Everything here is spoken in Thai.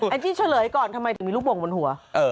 ไอ้คิดเฉลยก่อนทำไมถึงมีรูปบ่งบนหัว